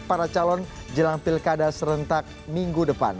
para calon jelang pilkada serentak minggu depan